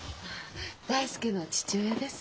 大介の父親です。